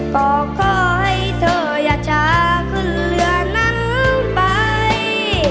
ก็ขอให้เธออย่าช้าขึ้นเรือนั้นไป